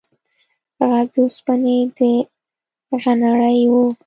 غږ د اوسپنې د غنړې و.